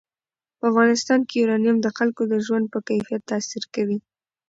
په افغانستان کې یورانیم د خلکو د ژوند په کیفیت تاثیر کوي.